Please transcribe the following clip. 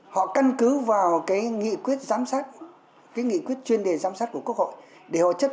họ căn cứ vào cái nghị quyết giám sát cái nghị quyết chuyên đề giám sát của quốc hội để họ chấp